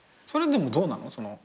それでもどうなの？